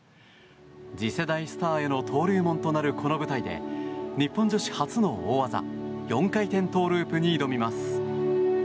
次世代スターへの登竜門となるこの舞台で日本女子初の大技４回転トウループに挑みます。